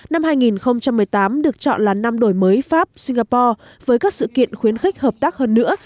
năm hai nghìn một mươi tám được chọn là năm đổi mới pháp singapore với các sự kiện khuyến khích hợp tác hơn nữa